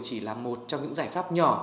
chỉ là một trong những giải pháp nhỏ